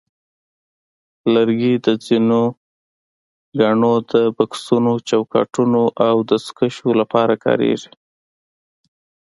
لرګي د ځینو ګاڼو د بکسونو، چوکاټونو، او دستکشیو لپاره کارېږي.